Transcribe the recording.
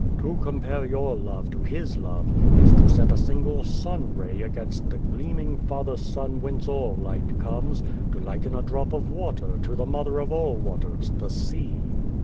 To compare your love to His love, is to set a single sun ray against the gleaming father sun whence all light comes to liken a drop of water to the mother of all waters the sea.